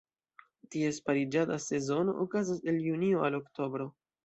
Ties pariĝada sezono okazas el Junio al Oktobro.